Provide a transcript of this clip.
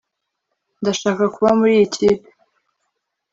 Ndashaka kuba muri iyi kipe